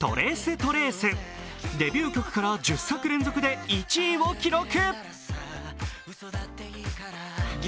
デビュー曲から１０作連続で１位を記録。